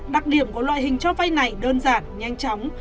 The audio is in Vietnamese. đặc điểm của loại hình cho vay này đơn giản nhanh chóng